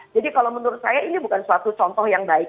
jadi kalau menurut saya ini bukan suatu contoh yang baik